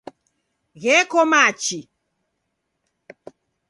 Gheko machi.